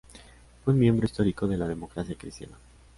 Fue un miembro histórico de la Democracia Cristiana.